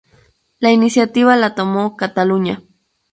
La iniciativa la tomó Cataluña.